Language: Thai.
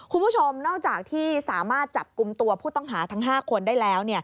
คุณผู้ชมนอกจากที่สามารถจับกลุ่มตัวผู้ต้องหาทั้ง๕คนได้แล้ว